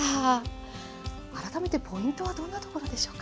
改めてポイントはどんなところでしょうか？